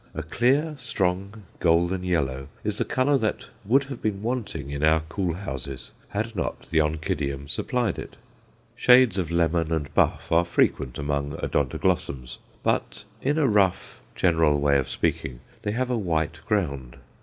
A clear, strong, golden yellow is the colour that would have been wanting in our cool houses had not the Oncidium supplied it. Shades of lemon and buff are frequent among Odontoglossums, but, in a rough, general way of speaking, they have a white ground.